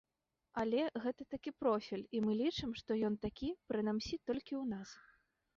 Але гэта такі профіль, і мы лічым, што ён такі, прынамсі, толькі ў нас.